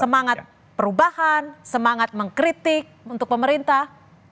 semangat perubahan semangat mengkritik untuk pemerintah